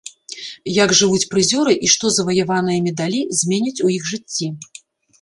Як жывуць прызёры і што заваяваныя медалі зменяць у іх жыцці.